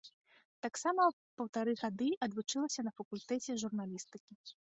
Таксама паўтары гады адвучылася на факультэце журналістыкі.